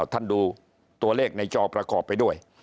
ท่านดูตัวเลขในจอประกอบไปด้วย